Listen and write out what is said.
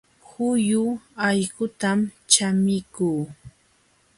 Huyu allqutam chamikuu